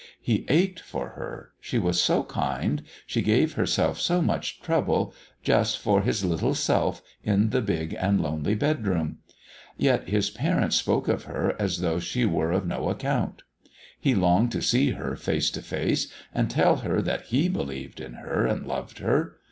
He ached for her, she was so kind, she gave herself so much trouble just for his little self in the big and lonely bedroom. Yet his parents spoke of her as though she were of no account. He longed to see her, face to face, and tell her that he believed in her and loved her.